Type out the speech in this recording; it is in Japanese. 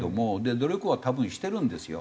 努力は多分してるんですよ。